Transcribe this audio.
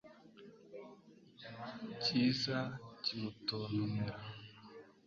kiza kimutontomera